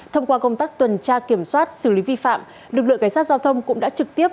thông qua công tác tuần tra kiểm soát xử lý vi phạm lực lượng cảnh sát giao thông cũng đã trực tiếp